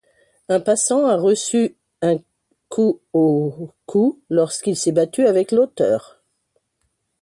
Un passant a reçu une coup au cou lorsqu’il s'est battu avec l’auteur.